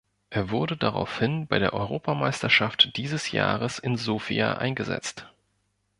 Er wurde daraufhin bei der Europameisterschaft dieses Jahres in Sofia eingesetzt.